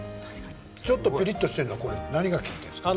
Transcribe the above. ちょっとぴりっとしてるのは何が利いてるんですか？